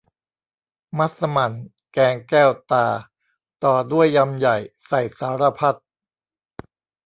มัสหมั่นแกงแก้วตา ต่อด้วยยำใหญ่ใส่สารพัด